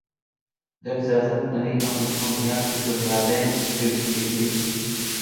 جب سیاست بنی امیہ کی بنیادیں ہل چکی تھیں